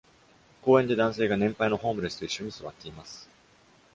公園で男性が、年配のホームレスと一緒に座っています。